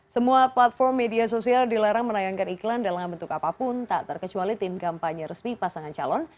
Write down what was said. semua platform media sosial dilarang menayangkan iklan dalam bentuk apapun tak terkecuali tim kampanye resmi pasangan calon